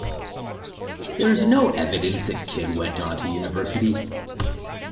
There is no evidence that Kyd went on to university.